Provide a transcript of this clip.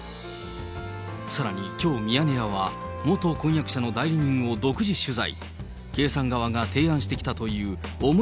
さらに、きょうミヤネ屋は、元婚約者の代理人を独自取材。